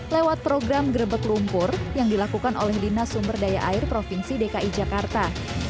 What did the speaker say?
lewat program gerebek lumpur yang dilakukan oleh dinas sumber daya air provinsi dki jakarta